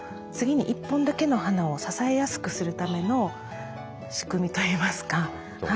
次に１本だけの花を支えやすくするための仕組みといいますか。